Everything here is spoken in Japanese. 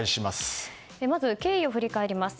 まず、経緯を振り返ります。